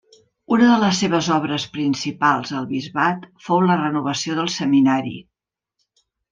Una de les seves obres principals al bisbat fou la renovació del Seminari.